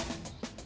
tunggu nanti aja